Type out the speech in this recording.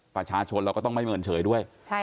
ประชาชนเราก็ต้องไม่เมินเฉยด้วย